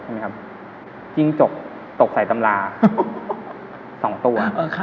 จริงจกตกใส่ตำรา๒ตัว